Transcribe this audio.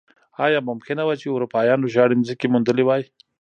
ایا ممکنه وه چې اروپایانو شاړې ځمکې موندلی وای.